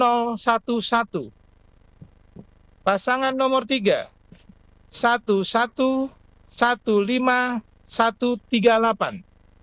hasil rekapitulasi penghitungan suara di dki jakarta sebanyak tiga hari mulai tujuh hingga sembilan maret